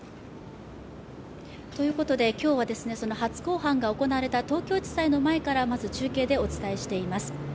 ということで今日は、その初公判が行われた東京地裁の前からまず中継でお伝えしています。